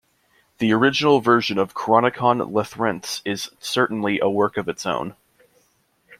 The original version of "Chronicon Lethrense" is certainly a work of its own.